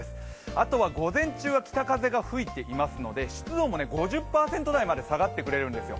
あとは午前中は北風が吹いていますので、湿度も５０％台まで下がってくれるんですよ。